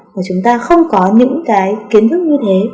mà chúng ta không có những cái kiến thức như thế